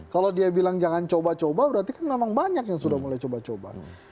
kalau dia bilang jangan coba coba berarti kan memang banyak yang sudah mulai coba coba